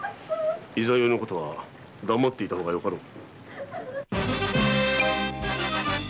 十六夜のことは黙っていた方がよかろう。